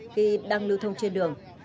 khi đang lưu thông trên đường